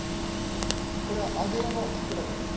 これは上尾のキクラゲです。